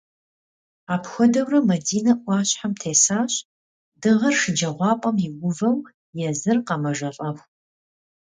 Apxuedeure Madine 'uaşhem têsaş, dığer şşecağuap'em yiuveu yêzıri khemejjelh'exu.